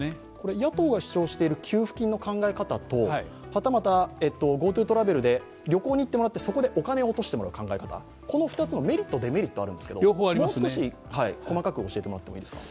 野党が主張している給付金の考え方とはたまたＧｏＴｏトラベルで旅行に行ってもらってそこでお金を落としてもらう考え方、この２つのメリット・デメリットあるんですけどもう少し細かく教えてもらっていいですか？